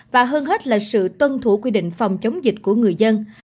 và hơn hết là sự tuân thủ quy định phòng chống dịch của người dân